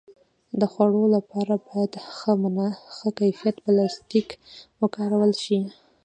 د خوړو لپاره باید ښه کیفیت پلاستيک وکارول شي.